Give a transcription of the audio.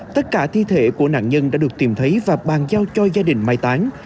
tất cả thi thể của nạn nhân đã được tìm thấy và bàn giao cho gia đình mai tán